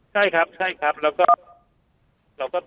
ใช่ครับแล้วก็